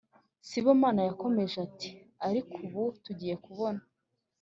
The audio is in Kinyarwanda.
sibomana yakomeje ati Ariko ubu tugiye kubona